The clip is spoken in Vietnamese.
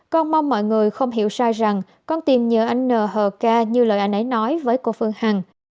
con mong mọi người không hiểu sai rằng con tìm nhờ anh n hờ ca như lời anh ấy nói với cô phương hằng